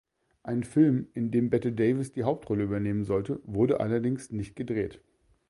Ein Film, in dem Bette Davis die Hauptrolle übernehmen sollte, wurde allerdings nicht gedreht.